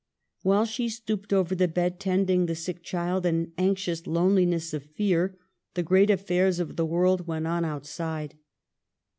While she stooped over the bed, tending the sick child in anxious loneliness of fear, the great affairs of the world went on outside.